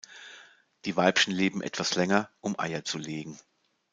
Die Weibchen leben etwas länger, um Eier zu legen.